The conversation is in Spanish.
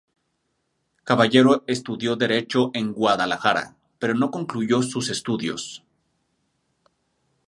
Caballero estudió Derecho en Guadalajara, pero no concluyó sus estudios.